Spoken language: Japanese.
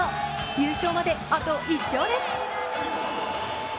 優勝まであと１勝です。